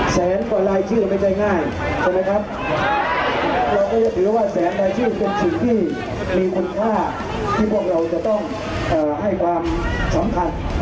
แสนรายชื่อเป็นสิ่งที่มีคุณค่าที่พวกเราจะต้องให้ความสำคัญ